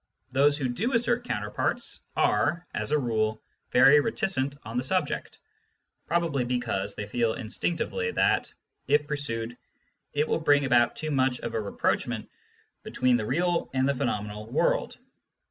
Those who do assert counter parts are, as a rule, very reticent on the subject, probably because they feel instinctively that, if pursued, it will bring about too much of a rapprochement between the real and the phenomenal world.